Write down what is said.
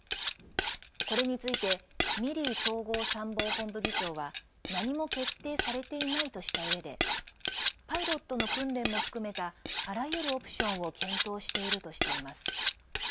これについてミリー統合参謀本部議長は何も決定されていないとしたうえでパイロットの訓練も含めたあらゆるオプションを検討しているとしています。